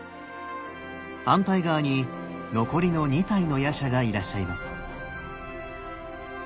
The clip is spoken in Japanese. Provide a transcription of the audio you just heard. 反対側に残りの２体の夜叉がいらっしゃいます。